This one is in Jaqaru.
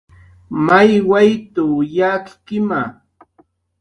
"May wayt""w yakkima "